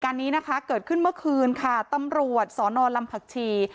นี้นะคะเกิดขึ้นเมื่อคืนค่ะตำรวจสอนอนลำผักชี